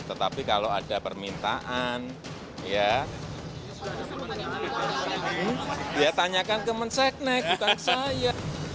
tetapi kalau ada permintaan ya tanyakan ke menseknek bukan saya